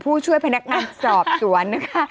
ผู้ช่วยพนักงานสอบสวนนะคะ